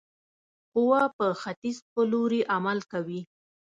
قوه په ختیځ په لوري عمل کوي.